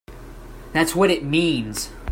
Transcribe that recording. That's what it means!